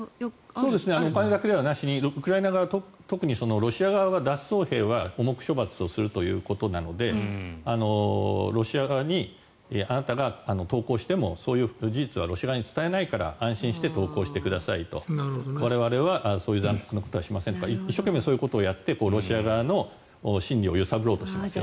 お金だけじゃなしにウクライナ側、特にロシア側は脱走兵は重く処罰するということなのでロシア側にあなたが投降してもそういう事実はロシア側に伝えないから安心して投降してくださいと我々は、そういう残酷なことはしませんとか一生懸命そういうことをやってロシア側の心理を揺さぶろうとしています。